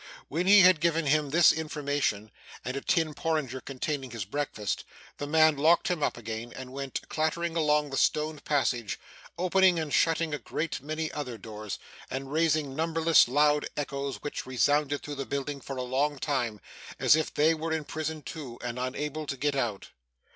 When he had given him this information, and a tin porringer containing his breakfast, the man locked him up again; and went clattering along the stone passage, opening and shutting a great many other doors, and raising numberless loud echoes which resounded through the building for a long time, as if they were in prison too, and unable to get out.